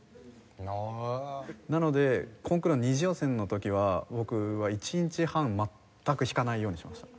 なのでコンクールの２次予選の時は僕は一日半全く弾かないようにしました。